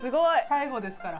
最後ですから。